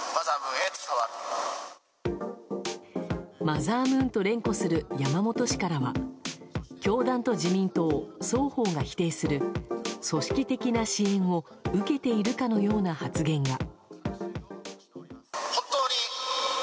マザームーンと連呼する山本氏からは教団と自民党双方が否定する組織的な支援を受けているかのような発言が。